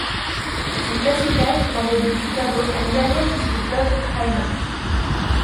Ce caciquat s'étendait depuis Cabo Engaño jusqu'au fleuve Haina.